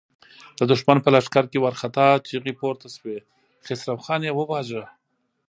د دښمن په لښکر کې وارخطا چيغې پورته شوې: خسرو خان يې وواژه!